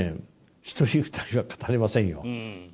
１人２人は語れませんよ。